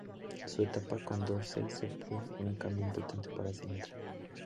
Su etapa con Dorsey supone un cambio importante para Sinatra.